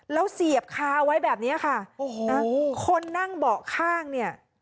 แล้วเสียบคาไว้แบบเนี้ยค่ะโอ้โหนะคนนั่งเบาะข้างเนี่ย